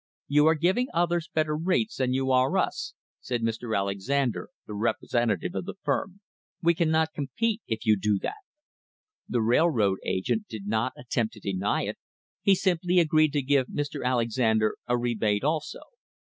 "You are giving others better rates than you are us," said Mr. Alexander, the representative of the firm. "We cannot compete if you do that." The railroad agent did not attempt to deny it — he simply agreed to give Mr. Alex ander a rebate also.